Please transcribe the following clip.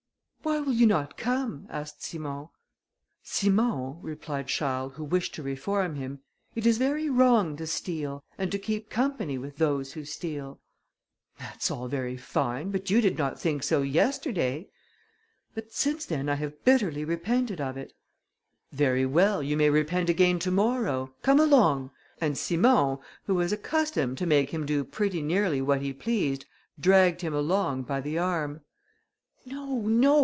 "Why will you not come?" asked Simon. "Simon," replied Charles, who wished to reform him, "it is very wrong to steal, and to keep company with those who steal." "That's all very fine! but you did not think so yesterday." "But since then I have bitterly repented of it." "Very well, you may repent again to morrow, come along;" and Simon, who was accustomed to make him do pretty nearly what he pleased, dragged him along by the arm. "No, no.